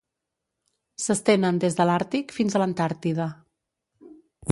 S'estenen des de l'Àrtic fins a l'Antàrtida.